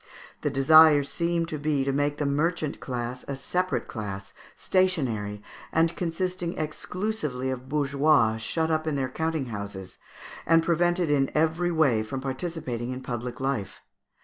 The desire seemed to be to make the merchant class a separate class, stationary, and consisting exclusively of bourgeois, shut up in their counting houses, and prevented in every way from participating in public life.